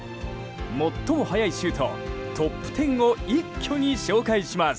最も速いシュートトップ１０を一挙に紹介します。